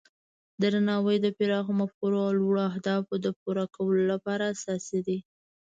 درناوی د پراخو مفکورو او لوړو اهدافو د پوره کولو لپاره اساسي دی.